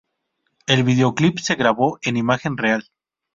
El vídeoclip se grabó en imagen real.